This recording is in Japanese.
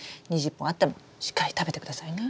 ２０本あってもしっかり食べてくださいね。